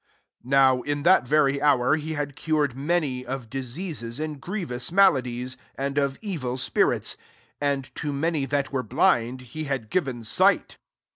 21 (Now in that very hour h had cured many of diseasi and grievous maladies, and i evil spirits; and to many tm were blind he had given sight] LUKE VII.